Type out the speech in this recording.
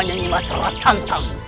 mengapa hanya ini masalah rasantang